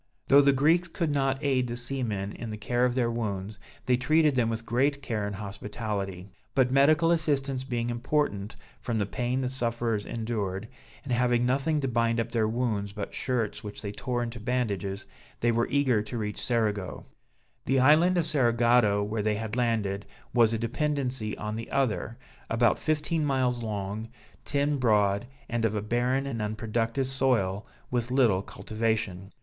Though the Greeks could not aid the seamen in the care of their wounds, they treated them with great care and hospitality; but medical assistance being important, from the pain the sufferers endured, and having nothing to bind up their wounds but shirts which they tore into bandages, they were eager to reach Cerigo. The island of Cerigotto, where they had landed, was a dependency on the other, about fifteen miles long, ten broad, and of a barren and unproductive soil, with little cultivation.